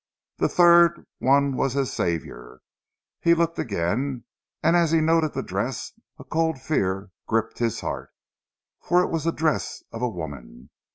The third one was his saviour. He looked again, and as he noted the dress a cold fear gripped his heart, for it was the dress of a woman.